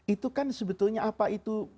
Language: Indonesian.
itu kan sebetulnya apa itu